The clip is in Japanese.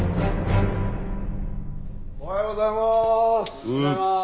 おはようございます。